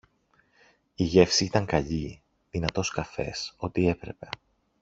Η γεύση ήταν καλή, δυνατός καφές, ότι έπρεπε